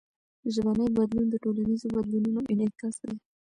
ژبنی بدلون د ټولنیزو بدلونونو انعکاس دئ.